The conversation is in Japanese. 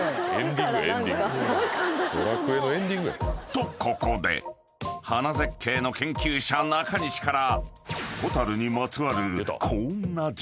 ［とここで花絶景の研究者中西から］